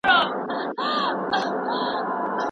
تاسو بايد د تپلو کتابونو لوستلو ته غاړه کېنږدئ.